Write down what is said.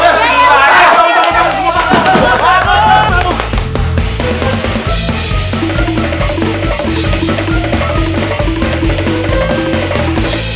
bangun bangun bangun